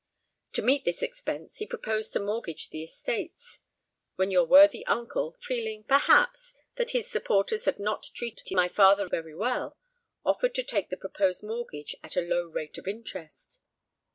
To meet this expense, he proposed to mortgage the estates; when your worthy uncle, feeling, perhaps, that his supporters had not treated my father very well, offered to take the proposed mortgage at a low rate of interest.